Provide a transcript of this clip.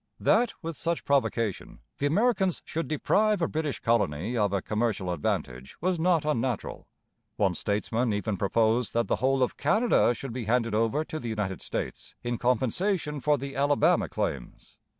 That, with such provocation, the Americans should deprive a British colony of a commercial advantage was not unnatural. One statesman even proposed that the whole of Canada should be handed over to the United States in compensation for the Alabama claims.